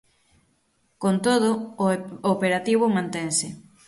Con todo, o operativo mantense.